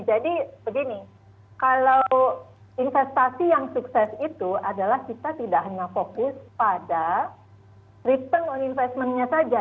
jadi begini kalau investasi yang sukses itu adalah kita tidak hanya fokus pada return on investment nya saja